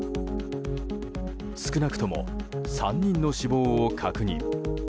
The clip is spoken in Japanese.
少なくとも３人の死亡を確認。